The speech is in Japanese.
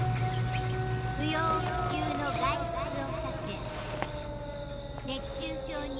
不要不急の外出を避け熱中症に厳重に警戒」。